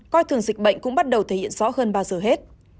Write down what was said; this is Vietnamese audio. coi thường dịch bệnh cũng bắt đầu thể hiện rõ hơn bao giờ hết